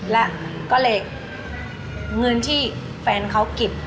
และก็เลยเงินที่แฟนเขาเก็บ